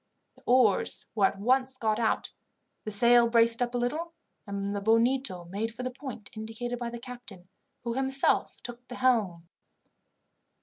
The oars were at once got out, the sail braced up a little, and the Bonito made for the point indicated by the captain, who himself took the helm.